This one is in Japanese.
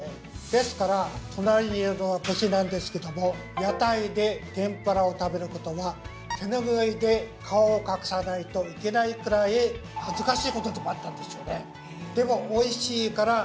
ですから隣にいるのは武士なんですけども屋台で天ぷらを食べることは手拭いで顔を隠さないといけないくらい恥ずかしいことでもあったんですよね。